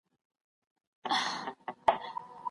پښتو ژبه ژوندي مثالونه غواړي.